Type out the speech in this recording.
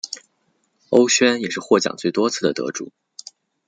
欧萱也是获奖最多次的得主。